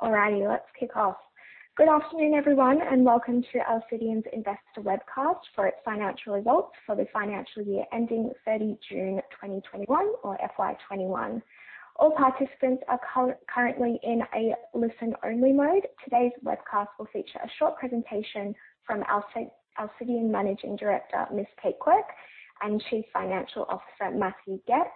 All righty, let's kick off. Good afternoon, everyone, and welcome to Alcidion's investor webcast for its financial results for the financial year ending 30 June 2021, or FY21. All participants are currently in a listen-only mode. Today's webcast will feature a short presentation from Alcidion Managing Director, Ms. Kate Quirke, and Chief Financial Officer, Matthew Gepp,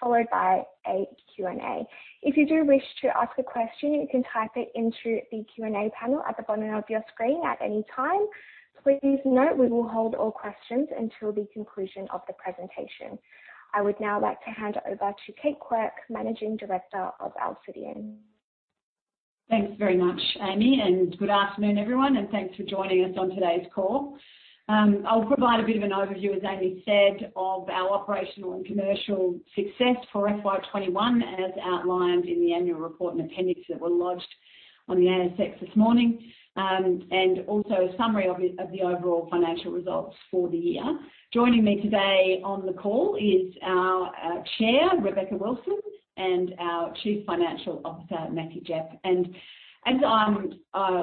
followed by a Q&A. If you do wish to ask a question, you can type it into the Q&A panel at the bottom of your screen at any time. Please note, we will hold all questions until the conclusion of the presentation. I would now like to hand over to Kate Quirke, Managing Director of Alcidion. Thanks very much, Amy. Good afternoon, everyone, and thanks for joining us on today's call. I'll provide a bit of an overview, as Amy said, of our operational and commercial success for FY21, as outlined in the annual report and appendix that were lodged on the ASX this morning, and also a summary of the overall financial results for the year. Joining me today on the call is our Chair, Rebecca Wilson, and our Chief Financial Officer, Matthew Gepp.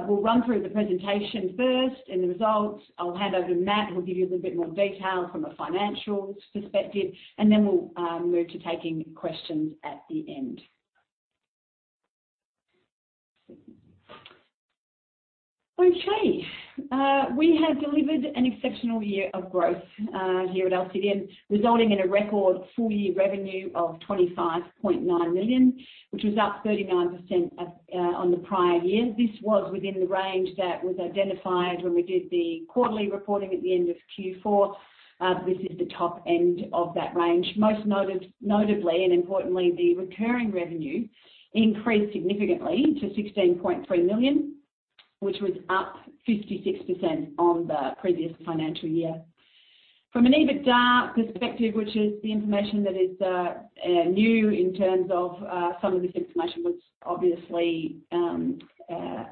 We'll run through the presentation first and the results. I'll hand over to Matt, who will give you a little bit more detail from a financial perspective, and then we'll move to taking questions at the end. Okay. We have delivered an exceptional year of growth here at Alcidion, resulting in a record full-year revenue of 25.9 million, which was up 39% on the prior year. This was within the range that was identified when we did the quarterly reporting at the end of Q4. This is the top end of that range. Most notably and importantly, the recurring revenue increased significantly to 16.3 million, which was up 56% on the previous financial year. From an EBITDA perspective, which is the information that is new in terms of some of this information was obviously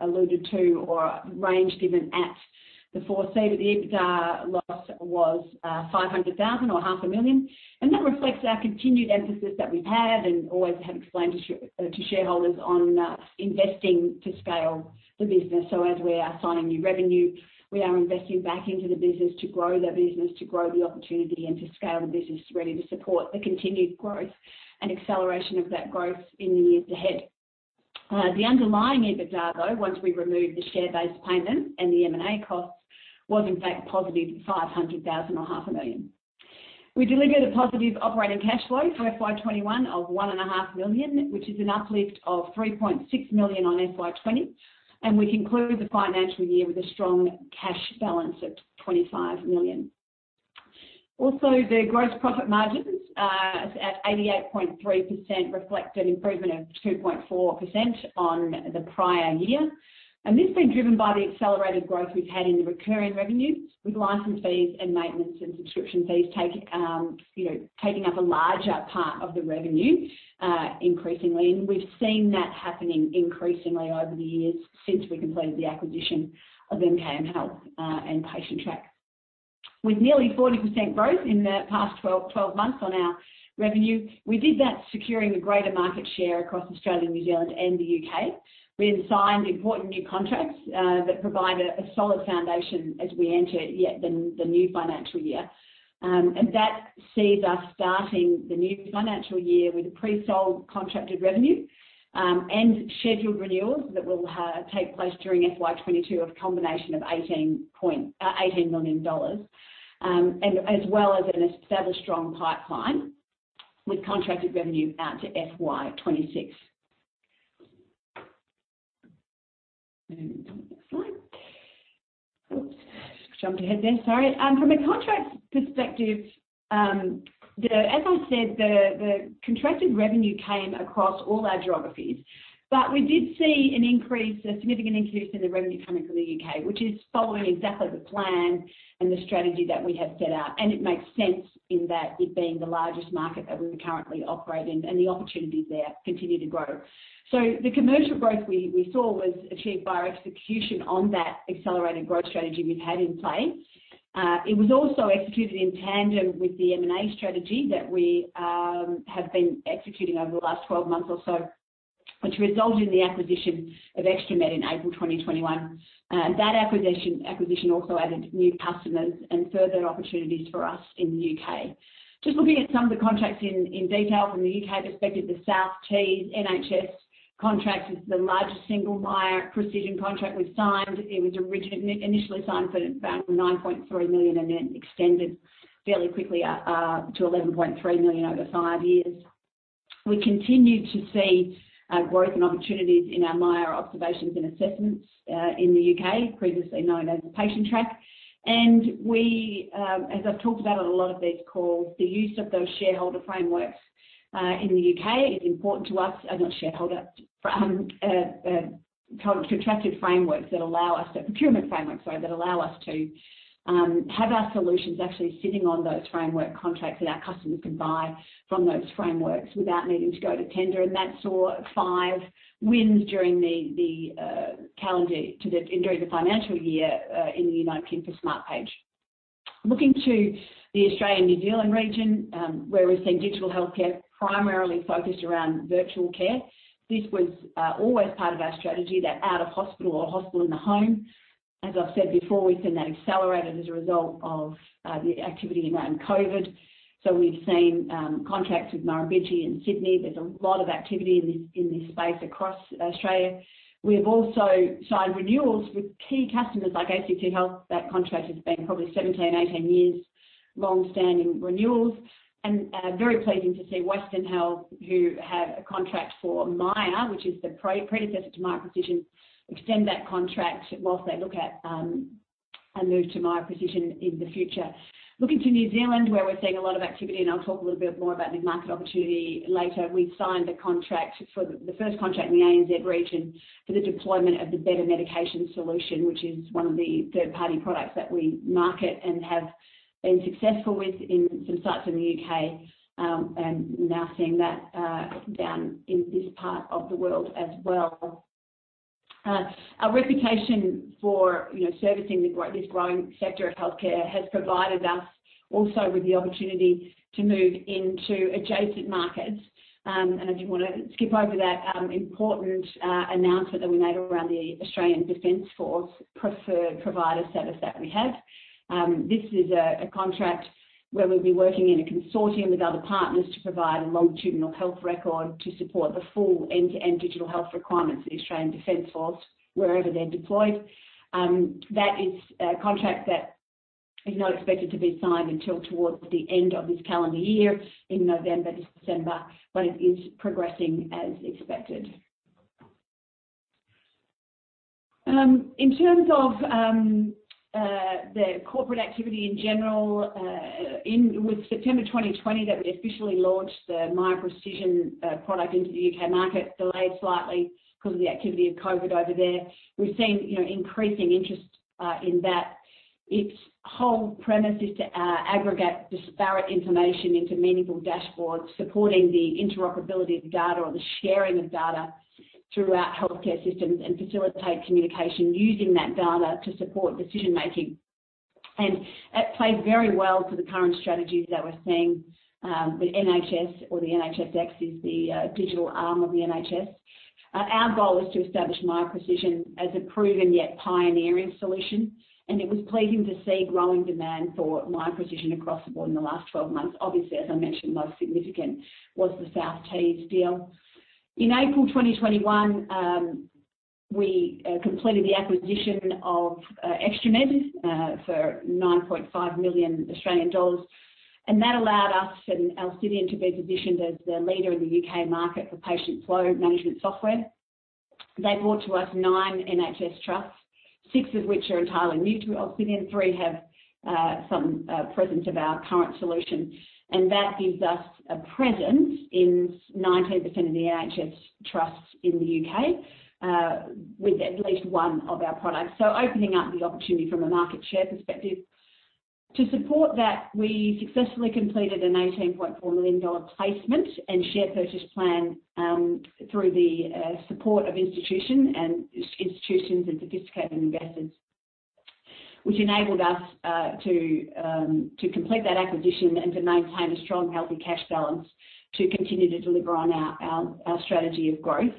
alluded to or range given at before. The EBITDA loss was 500,000 or half a million AUD, and that reflects our continued emphasis that we've had and always have explained to shareholders on investing to scale the business. As we are signing new revenue, we are investing back into the business to grow that business, to grow the opportunity, and to scale the business ready to support the continued growth and acceleration of that growth in the years ahead. The underlying EBITDA, though, once we remove the share-based payment and the M&A costs, was in fact positive 500,000 or half a million. We delivered a positive operating cash flow for FY 2021 of one and a half million, which is an uplift of 3.6 million on FY 2020. We concluded the financial year with a strong cash balance of 25 million. Also, the gross profit margins at 88.3% reflect an improvement of 2.4% on the prior year. This has been driven by the accelerated growth we've had in the recurring revenue with license fees and maintenance and subscription fees taking up a larger part of the revenue increasingly. We've seen that happening increasingly over the years since we completed the acquisition of MKM Health and Patientrack. With nearly 40% growth in the past 12 months on our revenue, we did that securing a greater market share across Australia, New Zealand, and the U.K. We have signed important new contracts that provide a solid foundation as we enter the new financial year. That sees us starting the new financial year with pre-sold contracted revenue and scheduled renewals that will take place during FY 2022 of a combination of AUD 18 million, as well as an established strong pipeline with contracted revenue out to FY 2026. Next slide. Oops. Jumped ahead there, sorry. From a contract perspective, as I said, the contracted revenue came across all our geographies. We did see a significant increase in the revenue coming from the U.K., which is following exactly the plan and the strategy that we have set out. It makes sense in that it being the largest market that we currently operate in and the opportunities there continue to grow. The commercial growth we saw was achieved by our execution on that accelerated growth strategy we've had in play. It was also executed in tandem with the M&A strategy that we have been executing over the last 12 months or so, which resulted in the acquisition of ExtraMed in April 2021. That acquisition also added new customers and further opportunities for us in the U.K. Just looking at some of the contracts in detail from the U.K. perspective, the South Tees NHS contract is the largest single Miya Precision contract we've signed. It was initially signed for around 9.3 million and then extended fairly quickly to 11.3 million over five years. We continued to see growth and opportunities in our Miya Observations and Assessments in the U.K., previously known as Patientrack. As I've talked about on a lot of these calls, the use of those shareholder frameworks in the U.K. is important to us. Not shareholder, contracted frameworks that procurement frameworks, sorry, that allow us to have our solutions actually sitting on those framework contracts that our customers can buy from those frameworks without needing to go to tender. That saw 5 wins during the financial year in the United Kingdom for Smartpage. Looking to the Australian New Zealand region, where we're seeing digital healthcare primarily focused around virtual care. This was always part of our strategy, that out-of-hospital or hospital in the home. As I've said before, we've seen that accelerated as a result of the activity around COVID. We've seen contracts with Murrumbidgee in Sydney. There's a lot of activity in this space across Australia. We have also signed renewals with key customers like ACT Health. That contract has been probably 17, 18 years longstanding renewals, and very pleasing to see Western Health, who have a contract for Miya, which is the predecessor to Miya Precision, extend that contract whilst they look at a move to Miya Precision in the future. Looking to New Zealand, where we're seeing a lot of activity, and I'll talk a little bit more about the market opportunity later. We've signed the first contract in the ANZ region for the deployment of the Better Meds, which is one of the third-party products that we market and have been successful with in some sites in the U.K., and now seeing that down in this part of the world as well. Our reputation for servicing this growing sector of healthcare has provided us also with the opportunity to move into adjacent markets. I did want to skip over that important announcement that we made around the Australian Defence Force preferred provider status that we have. This is a contract where we'll be working in a consortium with other partners to provide a longitudinal health record to support the full end-to-end digital health requirements of the Australian Defence Force wherever they're deployed. That is a contract that is not expected to be signed until towards the end of this calendar year, in November to December, but it is progressing as expected. In terms of the corporate activity in general. It was September 2020 that we officially launched the Miya Precision product into the U.K. market, delayed slightly because of the activity of COVID over there. We've seen increasing interest in that. Its whole premise is to aggregate disparate information into meaningful dashboards, supporting the interoperability of the data or the sharing of data throughout healthcare systems, and facilitate communication using that data to support decision-making. It played very well to the current strategies that we're seeing. The NHS or the NHSX is the digital arm of the NHS. Our goal is to establish Miya Precision as a proven, yet pioneering solution, and it was pleasing to see growing demand for Miya Precision across the board in the last 12 months. Obviously, as I mentioned, the most significant was the South Tees deal. In April 2021, we completed the acquisition of ExtraMed for 9.5 million Australian dollars, and that allowed us and Alcidion to be positioned as the leader in the U.K. market for patient flow management software. They brought to us 9 NHS trusts, 6 of which are entirely new to Alcidion. 3 have some presence of our current solution. That gives us a presence in 19% of the NHS trusts in the U.K. with at least one of our products. Opening up the opportunity from a market share perspective. To support that, we successfully completed an 18.4 million dollar placement and Share Purchase Plan through the support of institutions and sophisticated investors, which enabled us to complete that acquisition and to maintain a strong, healthy cash balance to continue to deliver on our strategy of growth.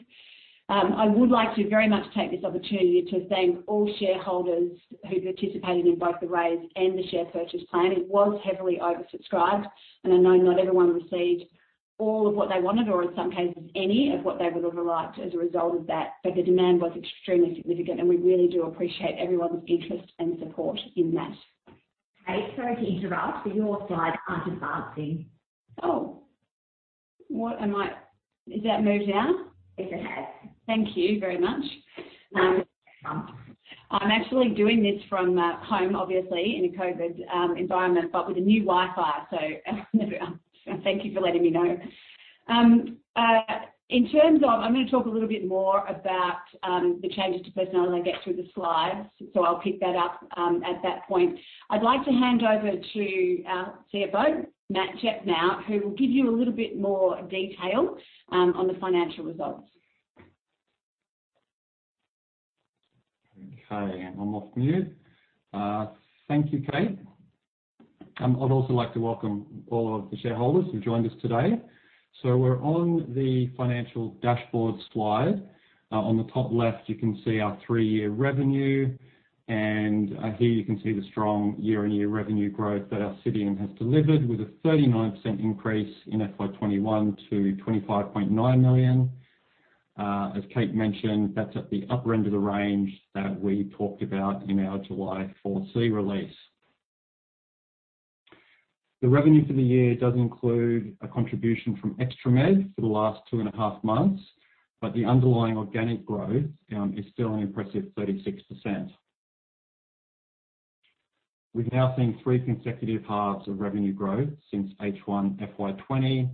I would like to very much take this opportunity to thank all shareholders who participated in both the raise and the Share Purchase Plan. It was heavily oversubscribed. I know not everyone received all of what they wanted, or in some cases, any of what they would have liked as a result of that. The demand was extremely significant, and we really do appreciate everyone's interest and support in that. Kate, sorry to interrupt, your slides aren't advancing. Has that moved now? Yes, it has. Thank you very much. No problem. I'm actually doing this from home, obviously, in a COVID environment, but with a new Wi-Fi. Thank you for letting me know. I'm going to talk a little bit more about the changes to personnel as I get through the slides, I'll pick that up at that point. I'd like to hand over to our CFO, Matthew Gepp, now who will give you a little bit more detail on the financial results. Okay. I'm off mute. Thank you, Kate. I'd also like to welcome all of the shareholders who joined us today. We're on the financial dashboard slide. On the top left, you can see our three-year revenue. Here you can see the strong year-on-year revenue growth that Alcidion has delivered with a 39% increase in FY 2021 to 25.9 million. As Kate mentioned, that's at the upper end of the range that we talked about in our July 4C release. The revenue for the year does include a contribution from ExtraMed for the last two and a half months. The underlying organic growth is still an impressive 36%. We've now seen three consecutive halves of revenue growth since H1 FY 2020.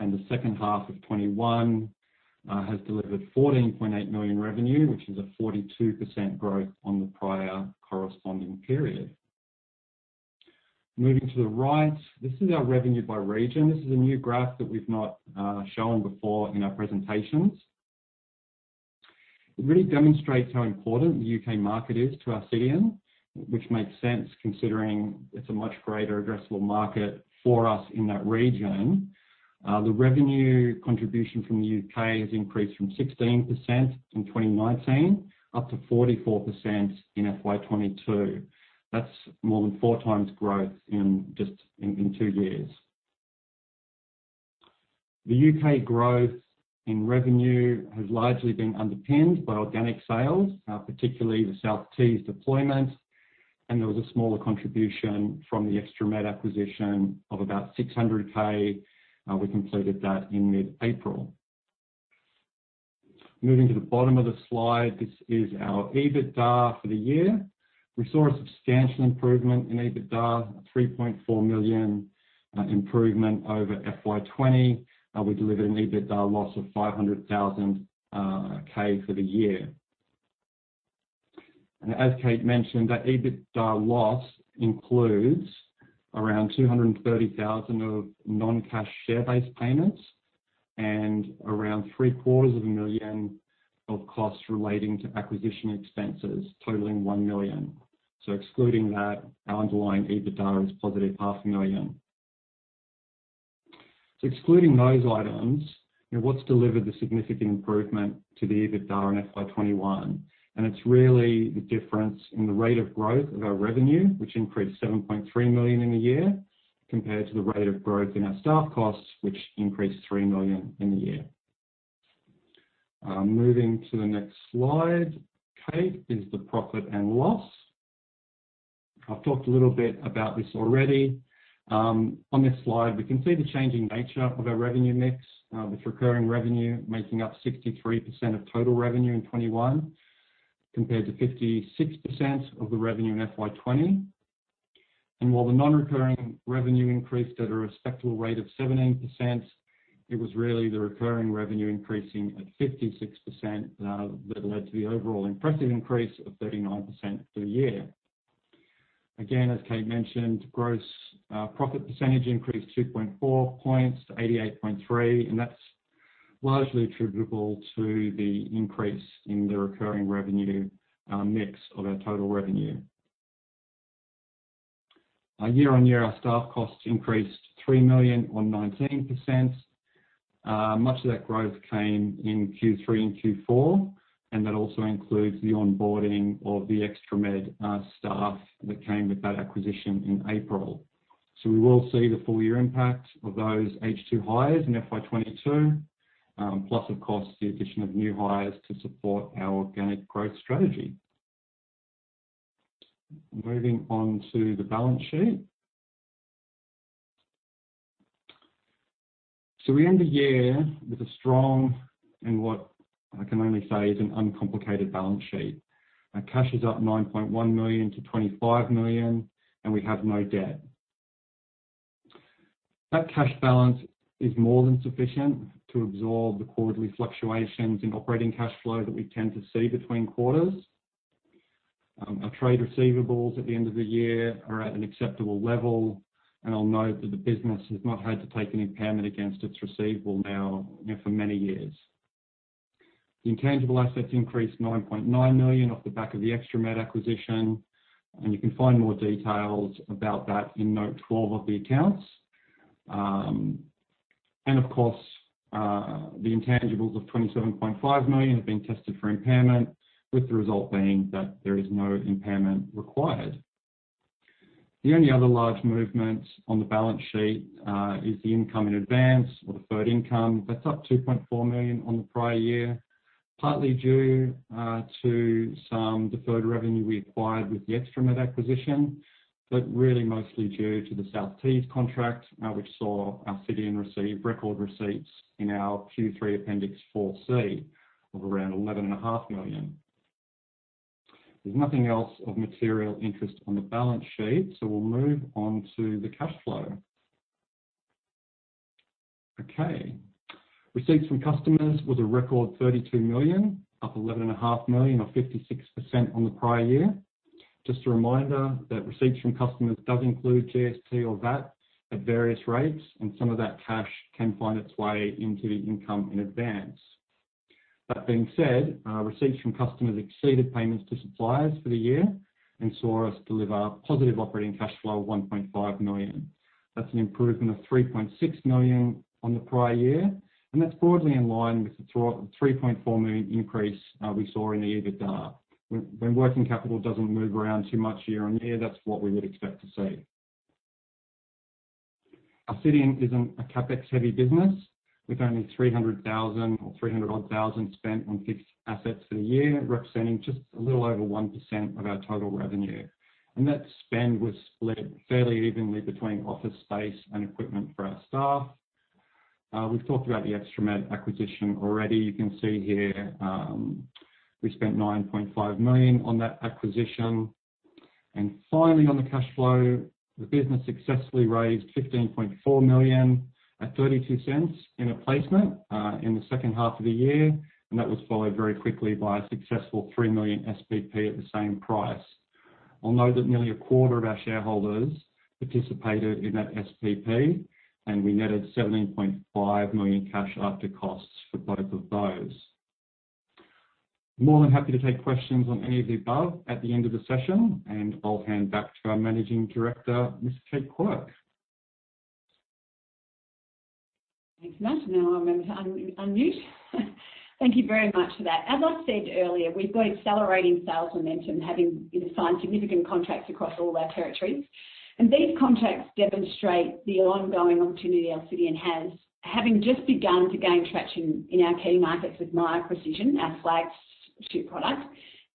The second half of 2021 has delivered 14.8 million revenue, which is a 42% growth on the prior corresponding period. Moving to the right, this is our revenue by region. This is a new graph that we've not shown before in our presentations. It really demonstrates how important the U.K. market is to Alcidion, which makes sense considering it's a much greater addressable market for us in that region. The revenue contribution from the U.K. has increased from 16% in 2019 up to 44% in FY22. That's more than four times growth in two years. The U.K. growth in revenue has largely been underpinned by organic sales, particularly the South Tees deployment, and there was a smaller contribution from the ExtraMed acquisition of about 600k. We completed that in mid-April. Moving to the bottom of the slide. This is our EBITDA for the year. We saw a substantial improvement in EBITDA, 3.4 million improvement over FY20. We delivered an EBITDA loss of 500k for the year. As Kate Quirke mentioned, that EBITDA loss includes around 230,000 of non-cash share-based payments and around three-quarters of a million of costs relating to acquisition expenses totaling 1 million. Excluding that, our underlying EBITDA is positive AUD half a million. Excluding those items, what's delivered the significant improvement to the EBITDA in FY 2021, it's really the difference in the rate of growth of our revenue, which increased 7.3 million in the year, compared to the rate of growth in our staff costs, which increased 3 million in the year. Moving to the next slide, Kate Quirke, is the profit and loss. I've talked a little bit about this already. On this slide, we can see the changing nature of our revenue mix, with recurring revenue making up 63% of total revenue in 2021, compared to 56% of the revenue in FY 2020. While the non-recurring revenue increased at a respectable rate of 17%, it was really the recurring revenue increasing at 56% that led to the overall impressive increase of 39% for the year. Again, as Kate mentioned, gross profit percentage increased 2.4 points to 88.3, and that's largely attributable to the increase in the recurring revenue mix of our total revenue. Year-on-year, our staff costs increased 3 million or 19%. Much of that growth came in Q3 and Q4, and that also includes the onboarding of the ExtraMed staff that came with that acquisition in April. We will see the full year impact of those H2 hires in FY22, plus of course, the addition of new hires to support our organic growth strategy. Moving on to the balance sheet. We end the year with a strong, and what I can only say is an uncomplicated balance sheet. Our cash is up 9.1 million to 25 million, and we have no debt. That cash balance is more than sufficient to absorb the quarterly fluctuations in operating cash flow that we tend to see between quarters. Our trade receivables at the end of the year are at an acceptable level, and I'll note that the business has not had to take an impairment against its receivable now for many years. The intangible assets increased 9.9 million off the back of the ExtraMed acquisition, and you can find more details about that in note 12 of the accounts. Of course, the intangibles of 27.5 million have been tested for impairment, with the result being that there is no impairment required. The only other large movement on the balance sheet is the income in advance or deferred income. That's up 2.4 million on the prior year, partly due to some deferred revenue we acquired with the ExtraMed acquisition, but really mostly due to the South Tees contract, which saw Alcidion receive record receipts in our Q3 appendix 4C of around 11.5 million. There's nothing else of material interest on the balance sheet, we'll move on to the cash flow. Okay. Receipts from customers was a record 32 million, up 11.5 million or 56% on the prior year. Just a reminder that receipts from customers does include GST or VAT at various rates, and some of that cash can find its way into the income in advance. That being said, receipts from customers exceeded payments to suppliers for the year and saw us deliver positive operating cash flow of 1.5 million. That's an improvement of 3.6 million on the prior year, that's broadly in line with the 3.4 million increase we saw in the EBITDA. When working capital doesn't move around too much year-on-year, that's what we would expect to see. Alcidion isn't a CapEx-heavy business, with only 300,000 or 300 odd thousand spent on fixed assets for the year, representing just a little over 1% of our total revenue. That spend was split fairly evenly between office space and equipment for our staff. We've talked about the ExtraMed acquisition already. You can see here we spent 9.5 million on that acquisition. Finally on the cash flow, the business successfully raised 15.4 million at 0.32 in a placement in the second half of the year. That was followed very quickly by a successful 3 million SPP at the same price. I'll note that nearly a quarter of our shareholders participated in that SPP, and we netted 17.5 million cash after costs for both of those. More than happy to take questions on any of the above at the end of the session, and I'll hand back to our Managing Director, Kate Quirke. Thanks, Matt. Now I'll remember to unmute. Thank you very much for that. As I said earlier, we've got accelerating sales momentum, having signed significant contracts across all our territories. These contracts demonstrate the ongoing opportunity Alcidion has, having just begun to gain traction in our key markets with Miya Precision, our flagship product.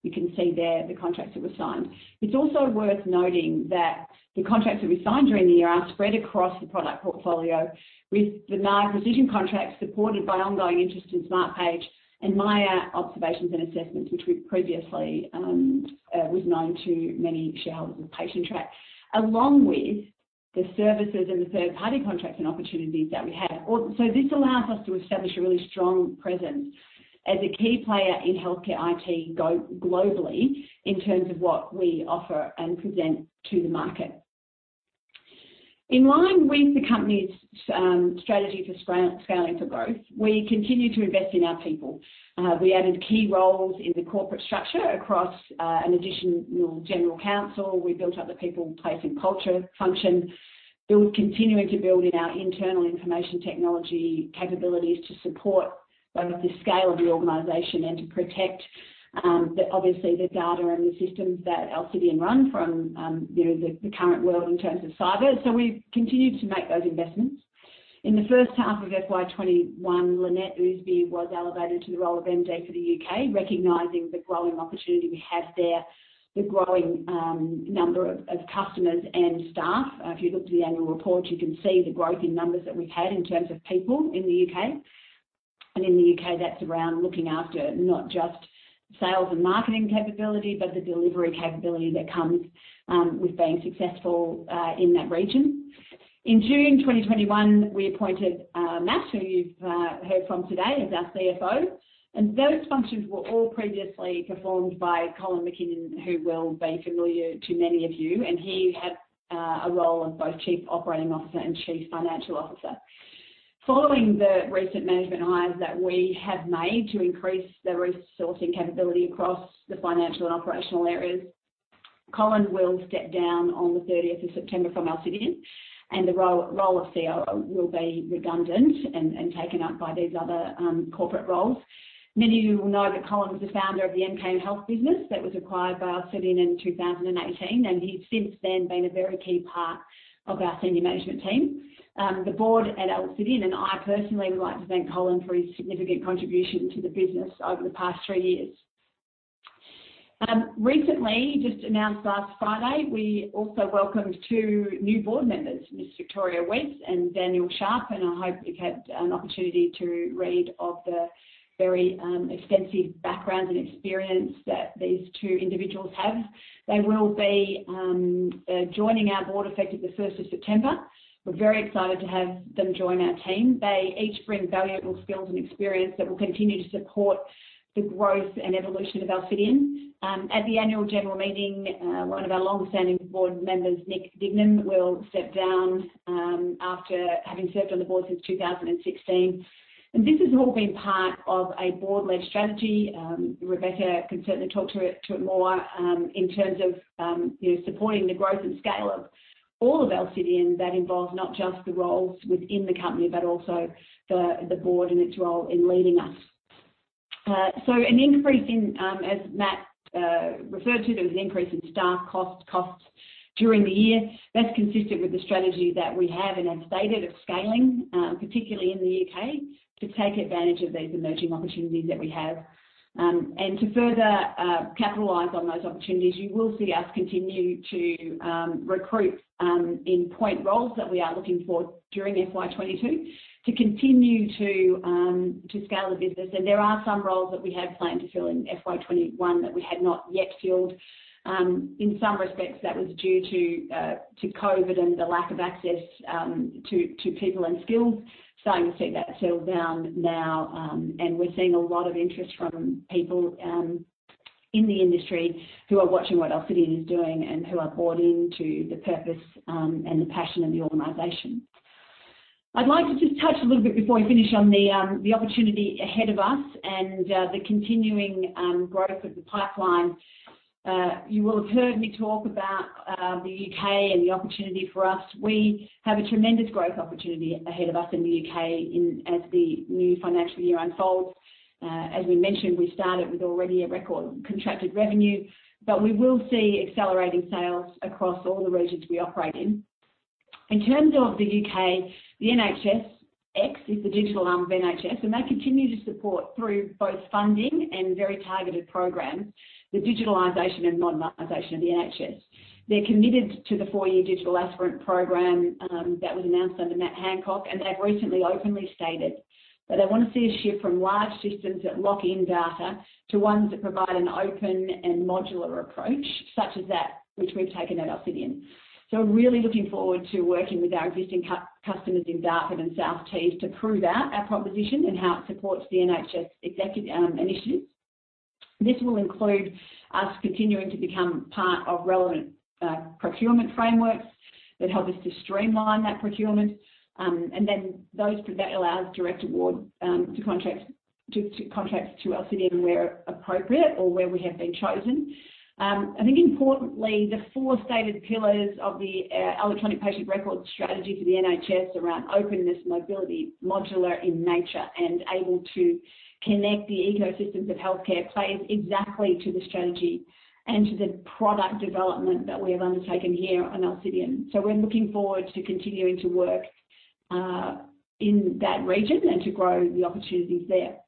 You can see there the contracts that were signed. It's also worth noting that the contracts that we signed during the year are spread across the product portfolio with the Miya Precision contracts supported by ongoing interest in Smartpage and Miya Observations and Assessments, which previously was known to many shareholders as Patientrack, along with the services and the third-party contracts and opportunities that we have. This allows us to establish a really strong presence as a key player in healthcare IT globally in terms of what we offer and present to the market. In line with the company's strategy for scaling for growth, we continue to invest in our people. We added key roles in the corporate structure across an additional general counsel. We built up the people, place, and culture function. Continuing to build in our internal information technology capabilities to support both the scale of the organization and to protect obviously the data and the systems that Alcidion run from the current world in terms of cyber. We've continued to make those investments. In the first half of FY 2021, Lynette Ousby was elevated to the role of MD for the U.K., recognizing the growing opportunity we have there, the growing number of customers and staff. If you look at the annual report, you can see the growth in numbers that we've had in terms of people in the U.K. In the U.K., that's around looking after not just sales and marketing capability, but the delivery capability that comes with being successful in that region. In June 2021, we appointed Matt, who you've heard from today, as our CFO. Those functions were all previously performed by Colin MacKinnon, who will be familiar to many of you, and he had a role of both Chief Operating Officer and Chief Financial Officer. Following the recent management hires that we have made to increase the resourcing capability across the financial and operational areas, Colin will step down on the 30th of September from Alcidion, and the role of COO will be redundant and taken up by these other corporate roles. Many of you will know that Colin was the founder of the MKM Health business that was acquired by Alcidion in 2018. He's since then been a very key part of our senior management team. The board at Alcidion, and I personally, would like to thank Colin for his significant contribution to the business over the past three years. Recently, just announced last Friday, we also welcomed two new board members, Ms. Victoria Weekes and Daniel Sharp. I hope you've had an opportunity to read of the very extensive backgrounds and experience that these two individuals have. They will be joining our board effective the 1st of September. We're very excited to have them join our team. They each bring valuable skills and experience that will continue to support the growth and evolution of Alcidion. At the annual general meeting, one of our long-standing board members, Nick Dignam, will step down after having served on the board since 2016. This has all been part of a board-led strategy, Rebecca can certainly talk to it more, in terms of supporting the growth and scale of all of Alcidion. That involves not just the roles within the company, but also the board and its role in leading us. An increase in, as Matt referred to, there was an increase in staff costs during the year. That's consistent with the strategy that we have and have stated of scaling, particularly in the U.K., to take advantage of these emerging opportunities that we have. To further capitalize on those opportunities, you will see us continue to recruit in point roles that we are looking for during FY22 to continue to scale the business. There are some roles that we had planned to fill in FY 2021 that we had not yet filled. In some respects, that was due to COVID and the lack of access to people and skills. Starting to see that settle down now, and we're seeing a lot of interest from people in the industry who are watching what Alcidion is doing and who are bought into the purpose and the passion of the organization. I'd like to just touch a little bit before we finish on the opportunity ahead of us and the continuing growth of the pipeline. You will have heard me talk about the U.K. and the opportunity for us. We have a tremendous growth opportunity ahead of us in the U.K. as the new financial year unfolds. As we mentioned, we started with already a record contracted revenue, but we will see accelerating sales across all the regions we operate in. In terms of the U.K., the NHSX is the digital arm of NHS, and they continue to support through both funding and very targeted programs, the digitalization and modernization of the NHS. They're committed to the four-year Digital Aspirant programme that was announced under Matt Hancock, and they've recently openly stated that they want to see a shift from large systems that lock in data to ones that provide an open and modular approach, such as that which we've taken at Alcidion. We're really looking forward to working with our existing customers in Dartford and South Tees to prove out our proposition and how it supports the NHS executive initiatives. This will include us continuing to become part of relevant procurement frameworks that help us to streamline that procurement. That allows direct award to contracts to Alcidion where appropriate or where we have been chosen. I think importantly, the four stated pillars of the electronic patient record strategy for the NHS around openness, mobility, modular in nature, and able to connect the ecosystems of healthcare plays exactly to the strategy and to the product development that we have undertaken here on Alcidion. We're looking forward to continuing to work in that region and to grow the opportunities there.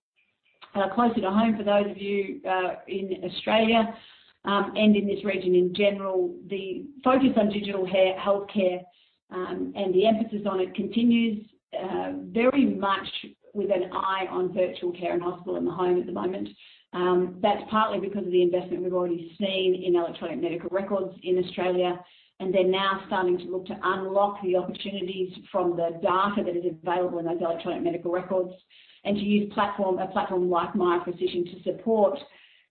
Closer to home, for those of you in Australia, in this region in general, the focus on digital healthcare, and the emphasis on it continues, very much with an eye on virtual care and hospital in the home at the moment. That's partly because of the investment we've already seen in Electronic Medical Records in Australia, they're now starting to look to unlock the opportunities from the data that is available in those Electronic Medical Records and to use a platform like Miya Precision to support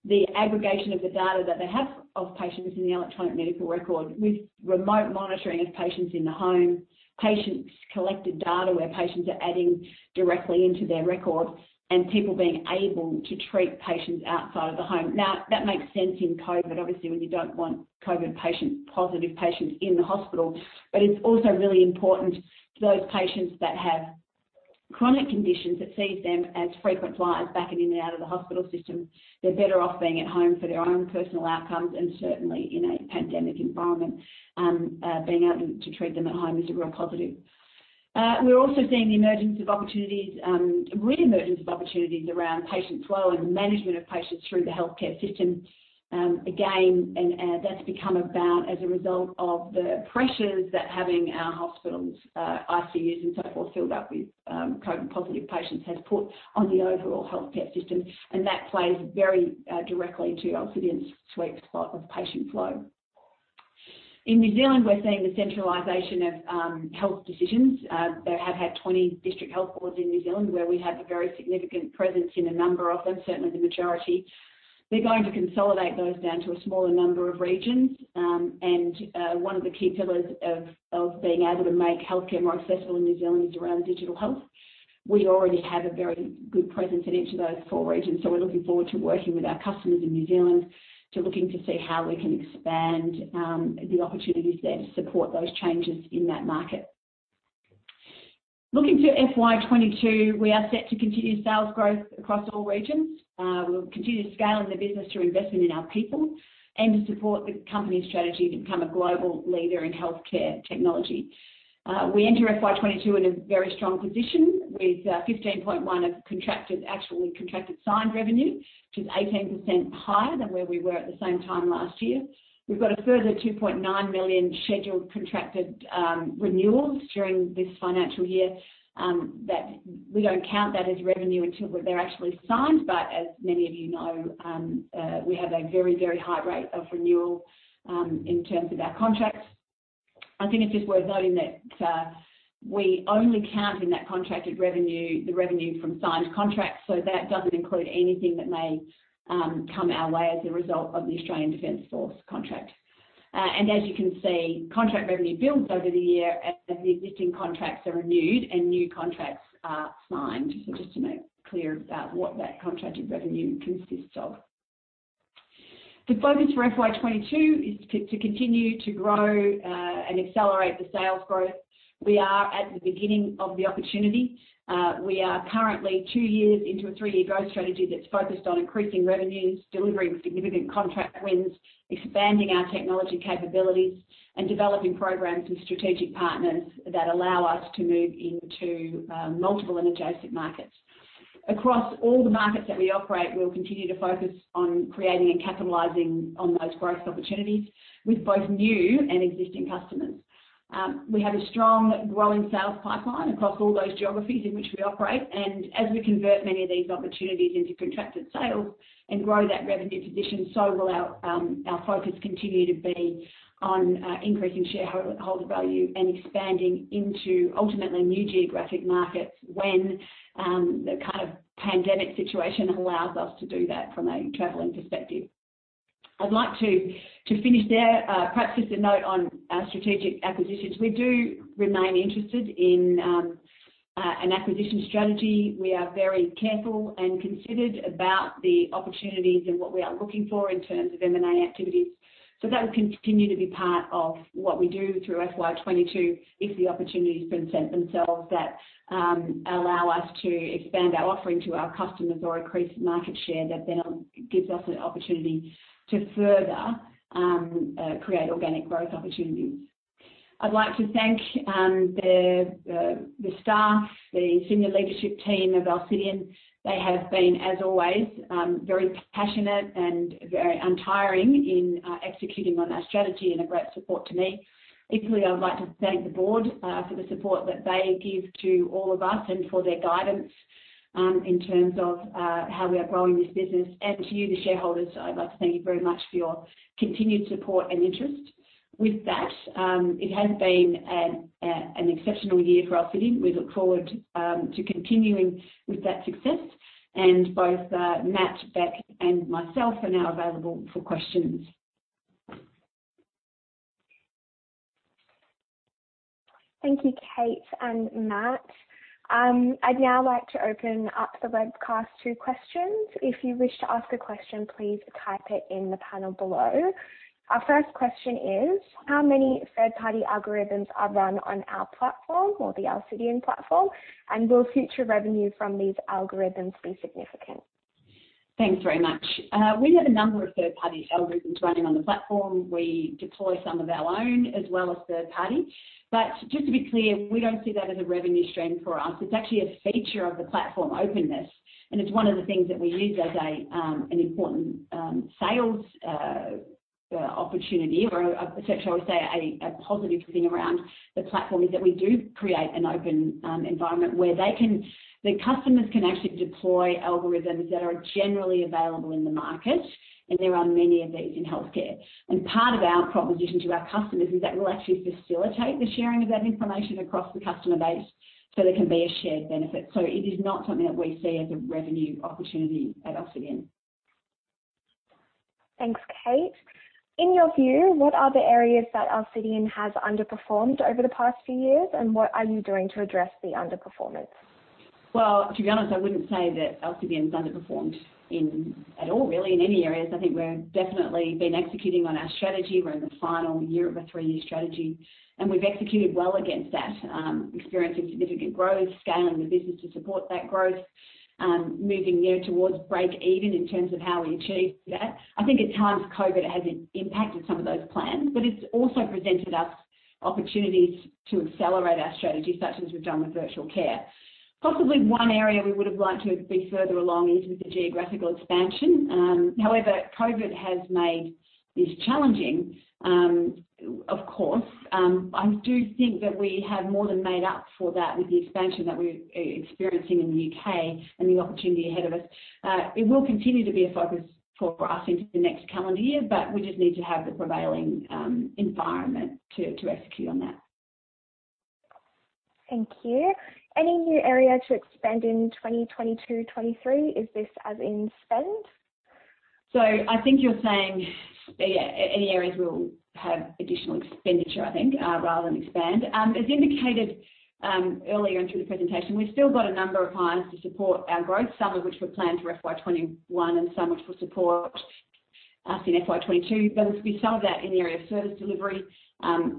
the aggregation of the data that they have of patients in the Electronic Medical Record with remote monitoring of patients in the home, patients' collected data where patients are adding directly into their records, and people being able to treat patients outside of the home. Now, that makes sense in COVID, obviously, when you don't want COVID-positive patients in the hospital, but it's also really important to those patients that have chronic conditions that sees them as frequent flyers back and in and out of the hospital system. They're better off being at home for their own personal outcomes, and certainly in a pandemic environment, being able to treat them at home is a real positive. We're also seeing the reemergence of opportunities around patient flow and the management of patients through the healthcare system. Again, that's become about as a result of the pressures that having our hospitals, ICUs, and so forth filled up with COVID-positive patients has put on the overall healthcare system, and that plays very directly to Alcidion's sweet spot of patient flow. In New Zealand, we're seeing the centralization of health decisions. They have had 20 district health boards in New Zealand, where we have a very significant presence in a number of them, certainly the majority. They're going to consolidate those down to a smaller number of regions. One of the key pillars of being able to make healthcare more accessible in New Zealand is around digital health. We already have a very good presence in each of those four regions. We're looking forward to working with our customers in New Zealand to looking to see how we can expand the opportunities there to support those changes in that market. Looking to FY22, we are set to continue sales growth across all regions. We'll continue scaling the business through investment in our people and to support the company's strategy to become a global leader in healthcare technology. We enter FY22 in a very strong position with 15.1 of actually contracted signed revenue, which is 18% higher than where we were at the same time last year. We've got a further 2.9 million scheduled contracted renewals during this financial year, that we don't count that as revenue until they're actually signed. As many of you know, we have a very high rate of renewal, in terms of our contracts. I think it's just worth noting that we only count in that contracted revenue, the revenue from signed contracts, that doesn't include anything that may come our way as a result of the Australian Defence Force contract. As you can see, contract revenue builds over the year as the existing contracts are renewed and new contracts are signed. Just to make clear about what that contracted revenue consists of. The focus for FY 2022 is to continue to grow, and accelerate the sales growth. We are at the beginning of the opportunity. We are currently two years into a three-year growth strategy that's focused on increasing revenues, delivering significant contract wins, expanding our technology capabilities, and developing programs with strategic partners that allow us to move into multiple and adjacent markets. Across all the markets that we operate, we'll continue to focus on creating and capitalizing on those growth opportunities with both new and existing customers. We have a strong growing sales pipeline across all those geographies in which we operate, and as we convert many of these opportunities into contracted sales and grow that revenue position, so will our focus continue to be on increasing shareholder value and expanding into ultimately new geographic markets when the kind of pandemic situation allows us to do that from a traveling perspective. I'd like to finish there. Perhaps just a note on our strategic acquisitions. We do remain interested in an acquisition strategy. We are very careful and considered about the opportunities and what we are looking for in terms of M&A activities. That will continue to be part of what we do through FY 2022 if the opportunities present themselves that allow us to expand our offering to our customers or increase market share, that then gives us an opportunity to further create organic growth opportunities. I'd like to thank the staff, the senior leadership team of Alcidion. They have been, as always, very passionate and very untiring in executing on our strategy and a great support to me. Equally, I would like to thank the board for the support that they give to all of us and for their guidance in terms of how we are growing this business. To you, the shareholders, I'd like to thank you very much for your continued support and interest. With that, it has been an exceptional year for Alcidion. We look forward to continuing with that success. Both Matt, Bec, and myself are now available for questions. Thank you, Kate and Matt. I'd now like to open up the webcast to questions. If you wish to ask a question, please type it in the panel below. Our first question is: how many third-party algorithms are run on our platform or the Alcidion platform, and will future revenue from these algorithms be significant? Thanks very much. We have a number of third-party algorithms running on the platform. We deploy some of our own as well as third party. Just to be clear, we don't see that as a revenue stream for us. It's actually a feature of the platform openness, and it's one of the things that we use as an important sales opportunity or, I would say, a positive thing around the platform, is that we do create an open environment where the customers can actually deploy algorithms that are generally available in the market, and there are many of these in healthcare. Part of our proposition to our customers is that we'll actually facilitate the sharing of that information across the customer base so there can be a shared benefit. It is not something that we see as a revenue opportunity at Alcidion. Thanks, Kate. In your view, what are the areas that Alcidion has underperformed over the past few years, and what are you doing to address the underperformance? Well, to be honest, I wouldn't say that Alcidion's underperformed at all, really, in any areas. I think we're definitely been executing on our strategy. We're in the final year of a three-year strategy, and we've executed well against that, experiencing significant growth, scaling the business to support that growth, moving there towards break even in terms of how we achieved that. I think at times COVID has impacted some of those plans, but it's also presented us opportunities to accelerate our strategy, such as we've done with virtual care. Possibly one area we would have liked to have been further along is with the geographical expansion. However, COVID has made this challenging, of course. I do think that we have more than made up for that with the expansion that we're experiencing in the U.K. and the opportunity ahead of us. It will continue to be a focus for us into the next calendar year, but we just need to have the prevailing environment to execute on that. Thank you. Any new area to expand in 2022/23? Is this as in spend? I think you're saying any areas we'll have additional expenditure rather than expand. As indicated earlier into the presentation, we've still got a number of hires to support our growth, some of which were planned for FY 2021 and some of which will support us in FY 2022. As we sell that in the area of service delivery,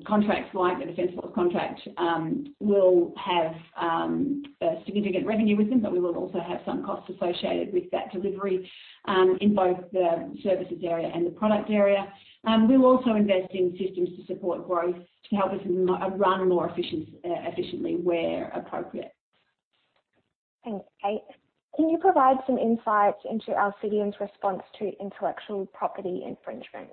contracts like the Defence Force contract will have significant revenue with them, but we will also have some costs associated with that delivery in both the services area and the product area. We'll also invest in systems to support growth to help us run more efficiently where appropriate. Thanks, Kate. Can you provide some insights into Alcidion's response to intellectual property infringement?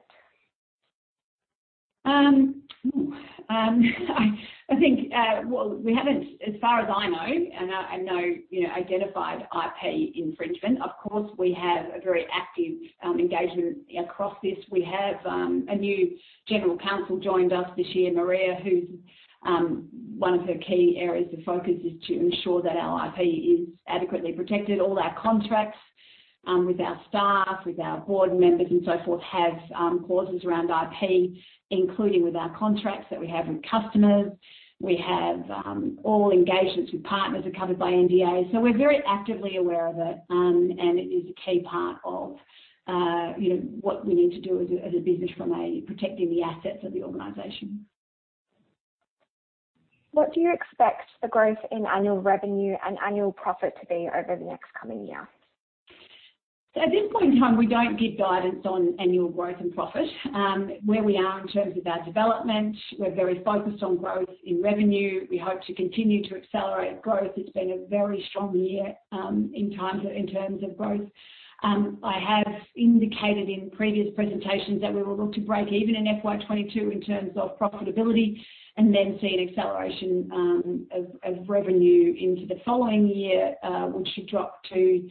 Well, we haven't, as far as I know, and I know identified IP infringement. Of course, we have a very active engagement across this. We have a new general counsel joined us this year, Maria, who one of her key areas of focus is to ensure that our IP is adequately protected. All our contracts with our staff, with our board members, and so forth, have clauses around IP, including with our contracts that we have with customers. We have all engagements with partners are covered by NDAs. We're very actively aware of it, and it is a key part of what we need to do as a business from a protecting the assets of the organization. What do you expect the growth in annual revenue and annual profit to be over the next coming year? At this point in time, we don't give guidance on annual growth and profit. Where we are in terms of our development, we're very focused on growth in revenue. We hope to continue to accelerate growth. It's been a very strong year in terms of growth. I have indicated in previous presentations that we will look to break even in FY22 in terms of profitability and then see an acceleration of revenue into the following year, which should drop to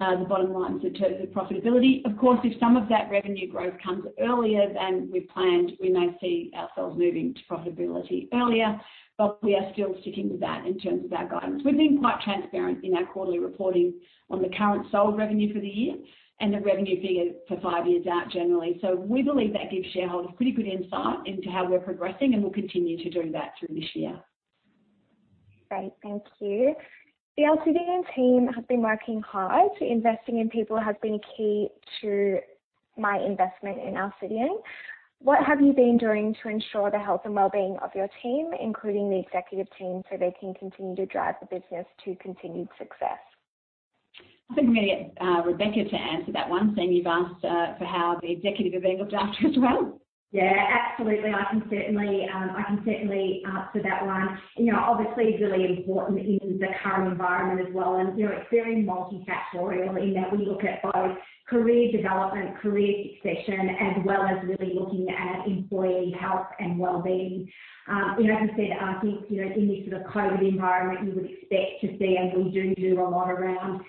the bottom line in terms of profitability. Of course, if some of that revenue growth comes earlier than we planned, we may see ourselves moving to profitability earlier, but we are still sticking with that in terms of our guidance. We've been quite transparent in our quarterly reporting on the current sold revenue for the year and the revenue figure for five years out generally. We believe that gives shareholders pretty good insight into how we're progressing, and we'll continue to do that through this year. Great. Thank you. The Alcidion team has been working hard. Investing in people has been key to my investment in Alcidion. What have you been doing to ensure the health and well-being of your team, including the executive team, so they can continue to drive the business to continued success? I think I'm going to get Rebecca to answer that one, seeing you've asked for how the executive are being looked after as well. Yeah, absolutely. I can certainly answer that one. Obviously, it's really important in the current environment as well, and it's very multifactorial in that we look at both career development, career succession, as well as really looking at employee health and wellbeing. As you said, I think, in this sort of COVID environment, you would expect to see, and we do a lot around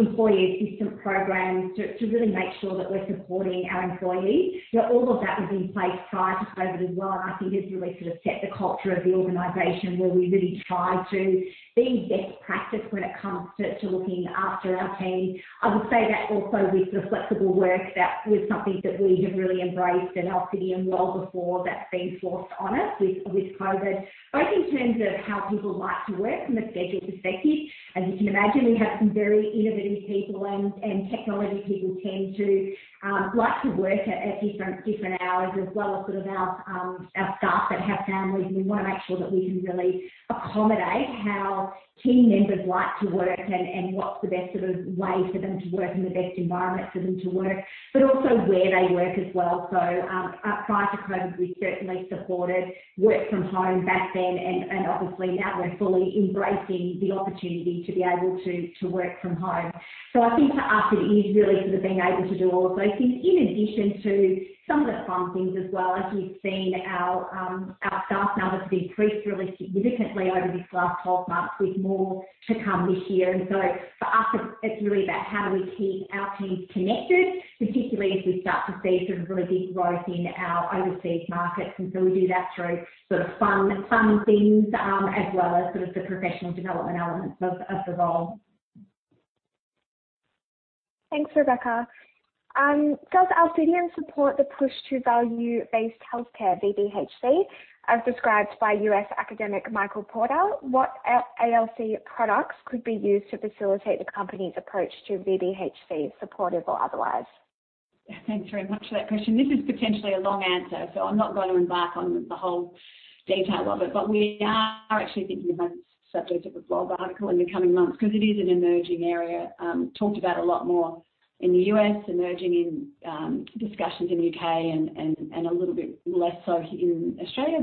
employee assistance programs to really make sure that we're supporting our employees. All of that was in place prior to COVID as well, and I think it's really sort of set the culture of the organization where we really try to be best practice when it comes to looking after our team. I would say that also with the flexible work, that was something that we have really embraced in Alcidion well before that's been forced on us with COVID, both in terms of how people like to work from a schedule perspective. As you can imagine, we have some very innovative people, and technology people tend to like to work at different hours, as well as our staff that have families. We want to make sure that we can really accommodate how team members like to work and what's the best way for them to work and the best environment for them to work, but also where they work as well. Prior to COVID, we certainly supported work from home back then, and obviously now we're fully embracing the opportunity to be able to work from home. I think for us, it is really sort of being able to do all of those things in addition to some of the fun things as well. As you've seen, our staff numbers have increased really significantly over this last 12 months, with more to come this year. For us, it's really about how do we keep our teams connected, particularly as we start to see some really big growth in our overseas markets. We do that through sort of fun things, as well as sort of the professional development elements of the role. Thanks, Rebecca. Does Alcidion support the push to value-based healthcare, VBHC, as described by U.S. academic Michael Porter? What ALC products could be used to facilitate the company's approach to VBHC, supportive or otherwise? Thanks very much for that question. This is potentially a long answer, so I'm not going to embark on the whole detail of it. We are actually thinking about the subject of a blog article in the coming months because it is an emerging area, talked about a lot more in the U.S., emerging in discussions in the U.K., and a little bit less so in Australia.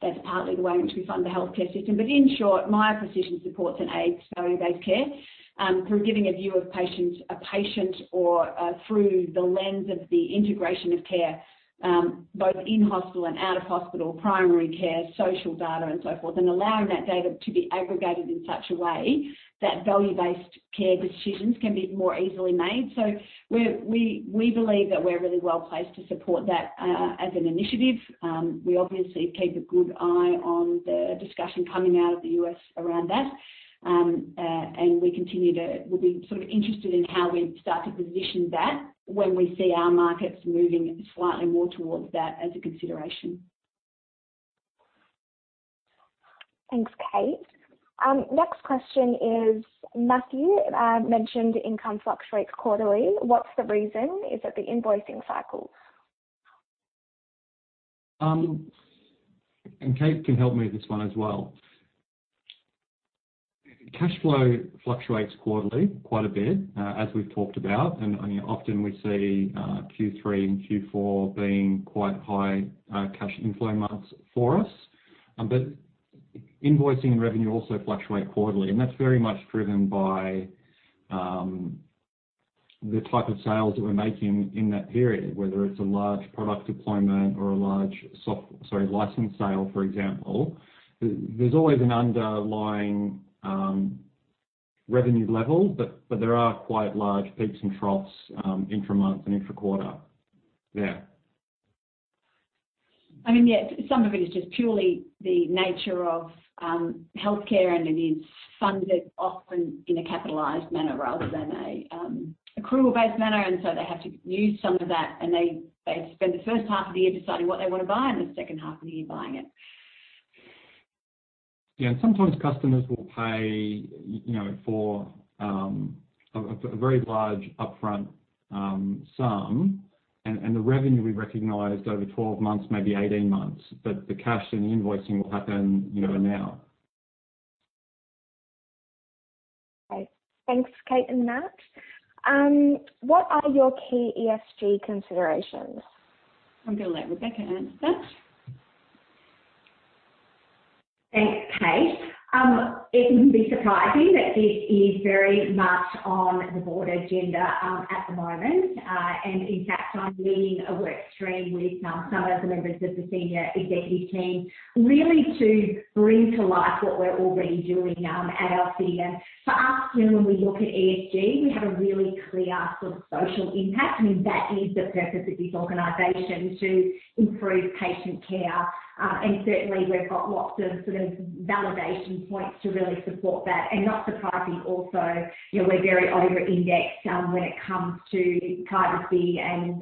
That's partly the way in which we fund the healthcare system. In short, my position supports and aids value-based care through giving a view of a patient or through the lens of the integration of care, both in-hospital and out-of-hospital, primary care, social data, and so forth, and allowing that data to be aggregated in such a way that value-based care decisions can be more easily made. We believe that we're really well-placed to support that as an initiative. We obviously keep a good eye on the discussion coming out of the U.S. around that, and we'll be sort of interested in how we start to position that when we see our markets moving slightly more towards that as a consideration. Thanks, Kate. Next question is, Matthew mentioned income fluctuates quarterly. What's the reason? Is it the invoicing cycle? Kate can help me with this one as well. Cash flow fluctuates quarterly quite a bit, as we've talked about, and often we see Q3 and Q4 being quite high cash inflow months for us. Invoicing and revenue also fluctuate quarterly, and that's very much driven by the type of sales that we're making in that period, whether it's a large product deployment or a large license sale, for example. There's always an underlying revenue level, but there are quite large peaks and troughs intra-month and intra-quarter. Yeah. I mean, yeah, some of it is just purely the nature of healthcare. It is funded often in a capitalized manner rather than an accrual-based manner. They have to use some of that. They spend the first half of the year deciding what they want to buy and the second half of the year buying it. Yeah, sometimes customers will pay for a very large upfront sum, and the revenue we recognized over 12 months, maybe 18 months. The cash and the invoicing will happen now. Okay. Thanks, Kate and Matt. What are your key ESG considerations? I'm going to let Rebecca answer that. Thanks, Kate. It wouldn't be surprising that this is very much on the board agenda at the moment. In fact, I'm leading a workstream with some of the members of the senior executive team, really to bring to life what we're already doing at Alcidion. For us, when we look at ESG, we have a really clear sort of social impact, and that is the purpose of this organization, to improve patient care. Certainly, we've got lots of sort of validation points to really support that. Not surprisingly, also, we're very over-indexed when it comes to privacy and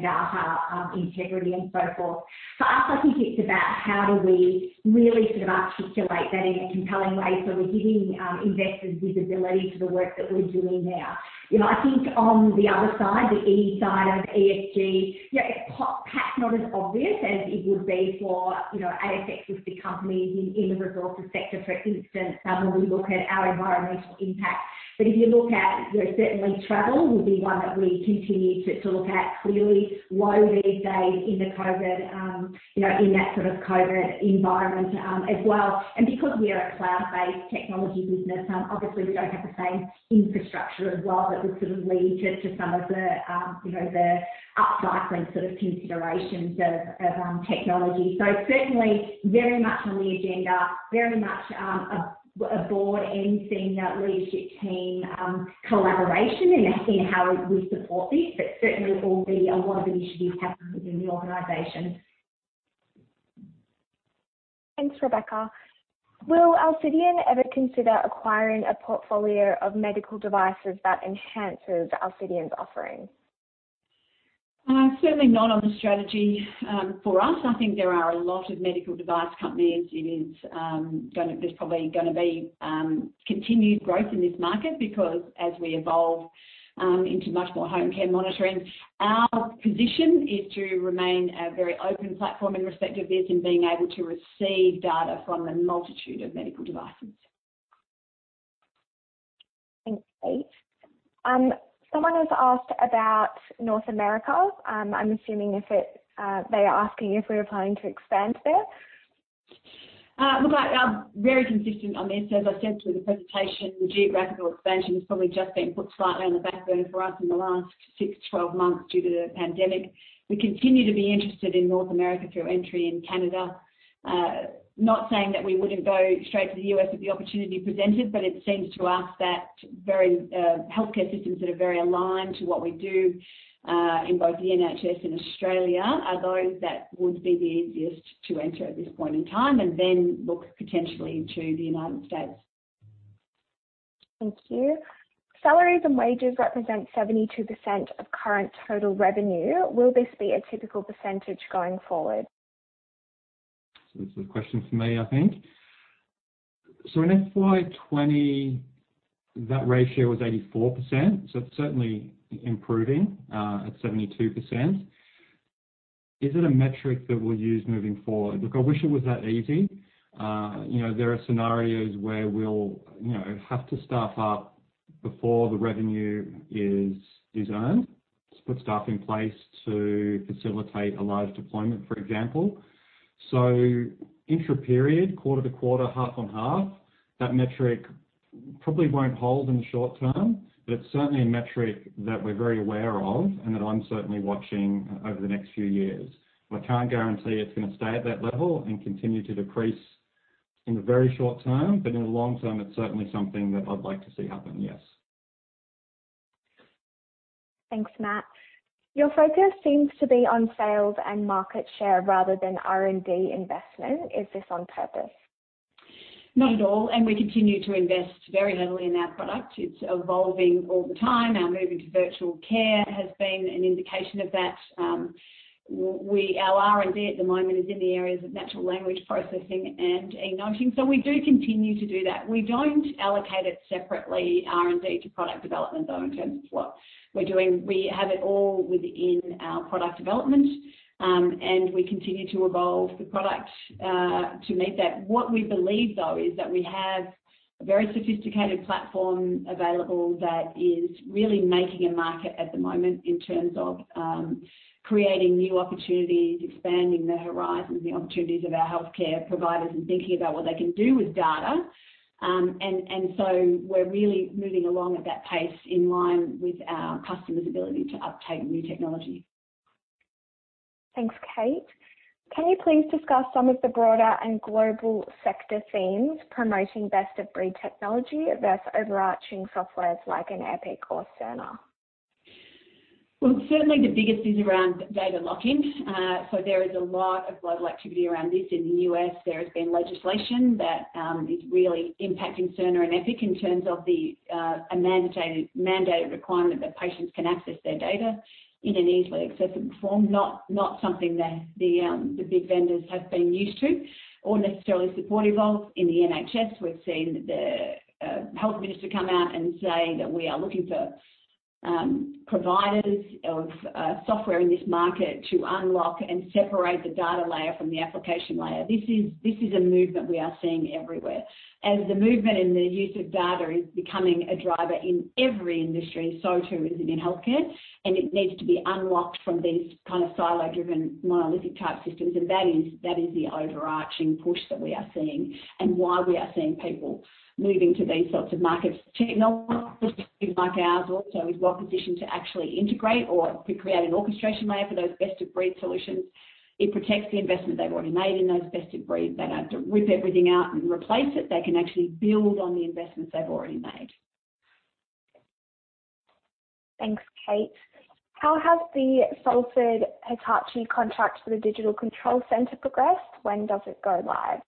data integrity and so forth. For us, I think it's about how do we really sort of articulate that in a compelling way so we're giving investors visibility to the work that we're doing there. I think on the other side, the E side of ESG, yeah, it's perhaps not as obvious as it would be for ASX-listed companies in the resources sector, for instance, when we look at our environmental impact. If you look at, certainly travel would be one that we continue to look at clearly low these days in that sort of COVID environment as well. Because we are a cloud-based technology business, obviously we don't have the same infrastructure as well that would sort of lead to some of the upcycling sort of considerations of technology. Certainly very much on the agenda, very much a board and senior leadership team collaboration in how we support this, but certainly will be a lot of initiatives happening in the organization. Thanks, Rebecca. Will Alcidion ever consider acquiring a portfolio of medical devices that enhances Alcidion's offering? Certainly not on the strategy for us. I think there are a lot of medical device companies. There is probably going to be continued growth in this market because as we evolve into much more home care monitoring, our position is to remain a very open platform in respect of this, in being able to receive data from a multitude of medical devices. Thanks, Kate. Someone has asked about North America. I'm assuming they are asking if we're planning to expand there. Look, I'm very consistent on this. As I said through the presentation, the geographical expansion has probably just been put slightly on the back burner for us in the last 6-12 months due to the pandemic. We continue to be interested in North America through entry in Canada. Not saying that we wouldn't go straight to the U.S. if the opportunity presented, but it seems to us that healthcare systems that are very aligned to what we do, in both the NHS and Australia, are those that would be the easiest to enter at this point in time and then look potentially to the United States. Thank you. Salaries and wages represent 72% of current total revenue. Will this be a typical percentage going forward? This is a question for me, I think. In FY 2020, that ratio was 84%, so it's certainly improving at 72%. Is it a metric that we'll use moving forward? Look, I wish it was that easy. There are scenarios where we'll have to staff up before the revenue is earned to put staff in place to facilitate a large deployment, for example. Intra-period, quarter-to-quarter, half-on-half, that metric probably won't hold in the short term, but it's certainly a metric that we're very aware of and that I'm certainly watching over the next few years. I can't guarantee it's going to stay at that level and continue to decrease in the very short term, but in the long term, it's certainly something that I'd like to see happen, yes. Thanks, Matt. Your focus seems to be on sales and market share rather than R&D investment. Is this on purpose? Not at all, and we continue to invest very heavily in our product. It's evolving all the time. Our move into virtual care has been an indication of that. Our R&D at the moment is in the areas of natural language processing and e-noting. We do continue to do that. We don't allocate it separately, R&D to product development, though, in terms of what we're doing. We have it all within our product development, and we continue to evolve the product to meet that. What we believe, though, is that we have a very sophisticated platform available that is really making a market at the moment in terms of creating new opportunities, expanding the horizons and the opportunities of our healthcare providers and thinking about what they can do with data. We're really moving along at that pace in line with our customers' ability to uptake new technology. Thanks, Kate. Can you please discuss some of the broader and global sector themes promoting best-of-breed technology versus overarching softwares like an Epic or Cerner? Well, certainly the biggest is around data blocking. There is a lot of global activity around this. In the U.S., there has been legislation that is really impacting Cerner and Epic in terms of a mandated requirement that patients can access their data in an easily accessible form. Not something that the big vendors have been used to or necessarily supportive of. In the NHS, we've seen the health minister come out and say that we are looking for providers of software in this market to unlock and separate the data layer from the application layer. This is a movement we are seeing everywhere. As the movement in the use of data is becoming a driver in every industry, so too is it in healthcare, and it needs to be unlocked from these kind of silo-driven, monolithic-type systems. That is the overarching push that we are seeing and why we are seeing people moving to these sorts of markets. Technology like ours also is well-positioned to actually integrate or to create an orchestration layer for those best-of-breed solutions. It protects the investment they've already made in those best of breed. They don't have to rip everything out and replace it. They can actually build on the investments they've already made. Thanks, Kate. How has the Salford-Hitachi contract for the digital control center progressed? When does it go live?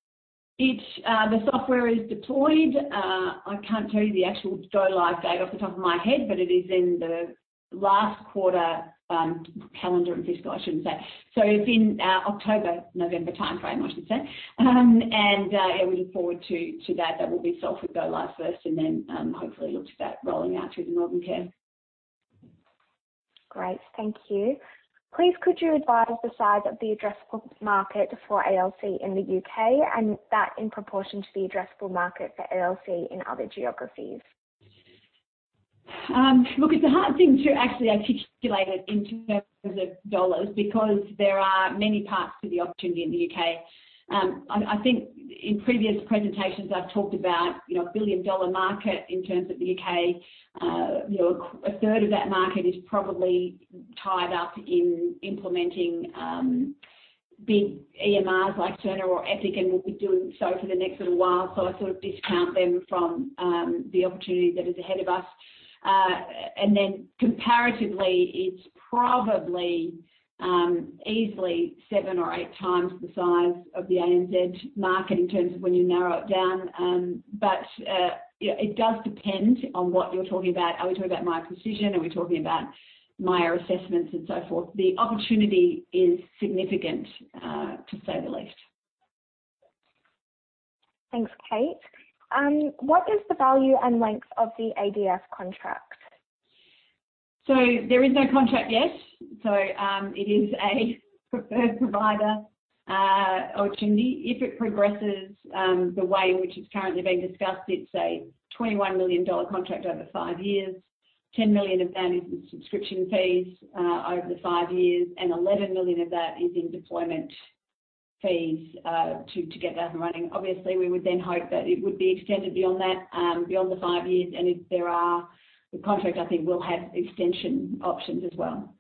The software is deployed. I can't tell you the actual go-live date off the top of my head, but it is in the last quarter, calendar and fiscal, I shouldn't say. It's in October, November timeframe, I should say. Yeah, we look forward to that. That will be Salford go-live first and then hopefully look to that rolling out through the Northern Care. Great. Thank you. Please could you advise the size of the addressable market for ALC in the U.K. and that in proportion to the addressable market for ALC in other geographies? It's a hard thing to actually articulate it in terms of AUD, because there are many parts to the opportunity in the U.K. I think in previous presentations, I've talked about a 1 billion-dollar market in terms of the U.K. A third of that market is probably tied up in implementing Big EMRs like Cerner or Epic, and will be doing so for the next little while. I sort of discount them from the opportunity that is ahead of us. Comparatively, it's probably easily 7 or 8 times the size of the ANZ market in terms of when you narrow it down. It does depend on what you're talking about. Are we talking about Miya Precision? Are we talking about Miya Observations and Assessments and so forth? The opportunity is significant, to say the least. Thanks, Kate. What is the value and length of the ADF contract? There is no contract yet. It is a preferred provider opportunity. If it progresses, the way in which it's currently being discussed, it's an 21 million dollar contract over five years. 10 million of that is in subscription fees over the five years, and 11 million of that is in deployment fees, to get that up and running. Obviously, we would then hope that it would be extended beyond the five years, and the contract, I think, will have extension options as well.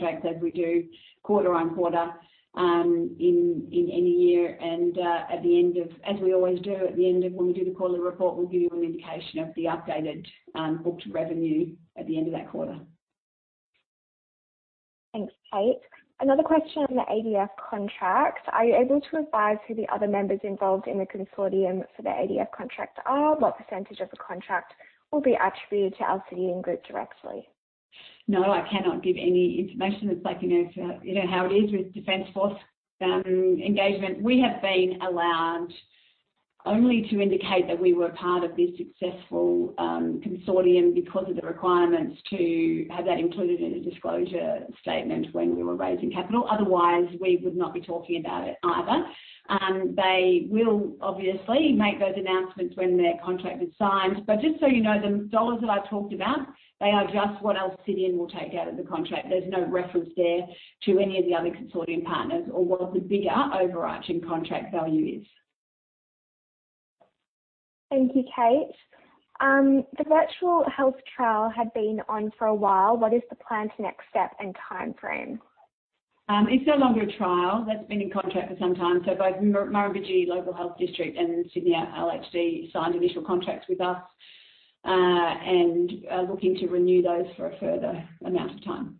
Contracts as we do quarter-on-quarter, in any year. As we always do, at the end of when we do the quarterly report, we'll give you an indication of the updated booked revenue at the end of that quarter. Thanks, Kate. Another question on the ADF contract. Are you able to advise who the other members involved in the consortium for the ADF contract are? What percentage of the contract will be attributed to Alcidion Group directly? No, I cannot give any information. You know how it is with Defence Force engagement. We have been allowed only to indicate that we were part of this successful consortium because of the requirements to have that included in a disclosure statement when we were raising capital. Otherwise, we would not be talking about it either. They will obviously make those announcements when their contract is signed. Just so you know, the dollars that I talked about, they are just what Alcidion will take out of the contract. There's no reference there to any of the other consortium partners or what the bigger overarching contract value is. Thank you, Kate. The virtual health trial had been on for a while. What is the plan to next step and timeframe? It's no longer a trial, that's been in contract for some time. Both Murrumbidgee Local Health District and Sydney LHD signed initial contracts with us, and are looking to renew those for a further amount of time.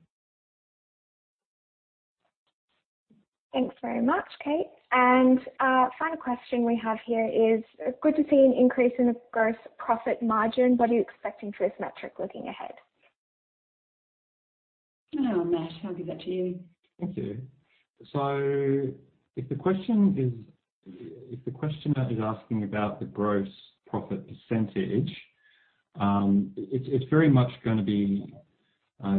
Thanks very much, Kate. Final question we have here is, good to see an increase in the gross profit margin. What are you expecting for this metric looking ahead? Matt, I'll give that to you. Thank you. If the questioner is asking about the gross profit percentage, it's very much going to be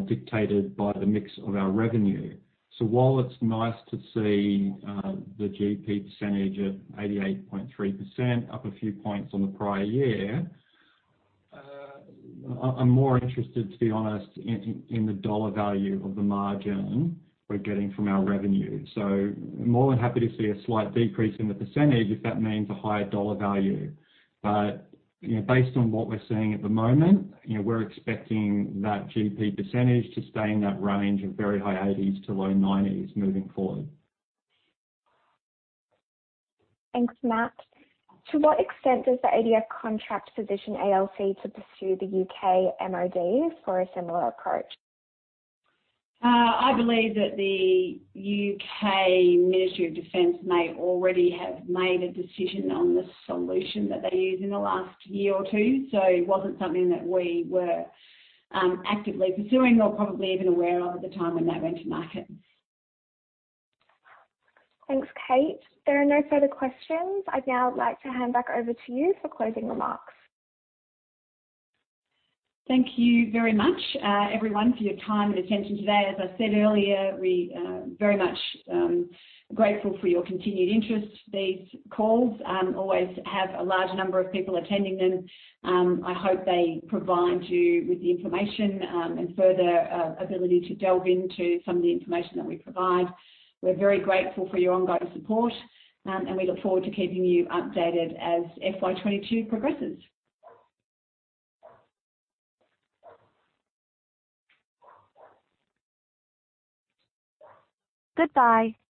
dictated by the mix of our revenue. While it's nice to see the GP percentage at 88.3% up a few points on the prior year, I'm more interested, to be honest, in the dollar value of the margin we're getting from our revenue. More than happy to see a slight decrease in the percentage if that means a higher dollar value. Based on what we're seeing at the moment, we're expecting that GP percentage to stay in that range of very high 80s to low 90s moving forward. Thanks, Matt. To what extent does the ADF contract position ALC to pursue the U.K. MOD for a similar approach? I believe that the U.K. Ministry of Defence may already have made a decision on the solution that they used in the last year or two. It wasn't something that we were actively pursuing or probably even aware of at the time when that went to market. Thanks, Kate. There are no further questions. I'd now like to hand back over to you for closing remarks. Thank you very much, everyone, for your time and attention today. As I said earlier, we are very much grateful for your continued interest. These calls always have a large number of people attending them. I hope they provide you with the information and further ability to delve into some of the information that we provide. We're very grateful for your ongoing support, and we look forward to keeping you updated as FY 2022 progresses. Goodbye.